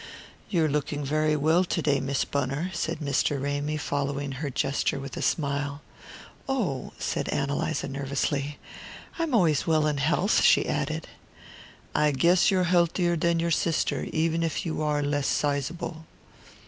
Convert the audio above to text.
"You're looking very well to day, Miss Bunner," said Mr. Ramy, following her gesture with a smile. "Oh," said Ann Eliza nervously. "I'm always well in health," she added. "I guess you're healthier than your sister, even if you are less sizeable."